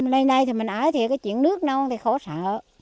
lên đây mình ở chuyện nước nông khó sợ